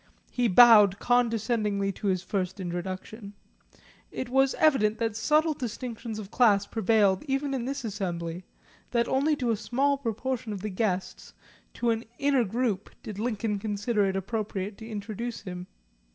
He bowed condescendingly to his first introduction. It was evident that subtle distinctions of class prevailed even in this assembly, that only to a small proportion of the guests, to an inner group, did Lincoln consider it appropriate to introduce him.